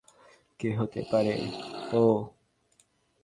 কে হতে পারে ও?